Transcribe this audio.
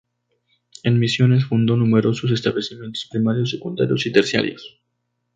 En Misiones fundó numerosos establecimientos primarios, secundarios y terciarios.